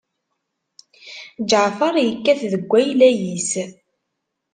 Ǧaɛfeṛ yekkat deg ayla-is.